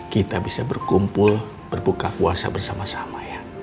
kita bisa berkumpul berbuka puasa bersama sama ya